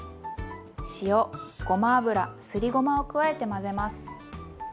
塩ごま油すりごまを加えて混ぜます。